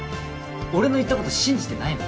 俺の言ったこと信じてないの？